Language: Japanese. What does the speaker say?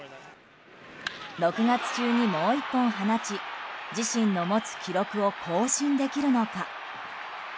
６月中に、もう１本放ち自身の持つ記録を更新できるのか。